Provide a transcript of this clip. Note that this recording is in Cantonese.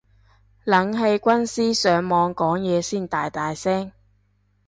冷氣軍師上網講嘢先大大聲